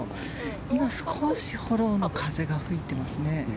今、少しフォローの風が吹いていますね。